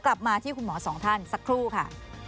กลับมาที่คุณหมอสองท่านสักครู่ค่ะ